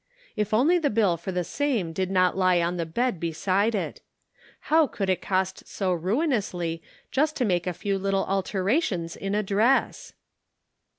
If only the bill for the same did not lie on the bed beside it. How could it cost so ruinousl}* just to make a few little alterations in a dress!